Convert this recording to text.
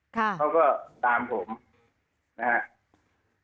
เขาก็ตามผมนะครับ